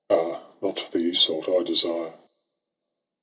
Ah ! not the Iseult I desire.